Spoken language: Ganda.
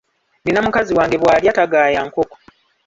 Nina mukazi wange bw'alya tagaaya nkoko.